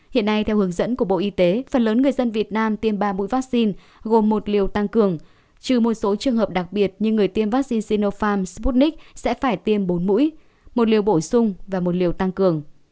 hiện nay theo hướng dẫn của bộ y tế phần lớn người dân việt nam tiêm ba mũi vaccine gồm một liều tăng cường trừ một số trường hợp đặc biệt như người tiêm vaccine sinopharm sputnik sẽ phải tiêm bốn mũi một liều bổ sung và một liều tăng cường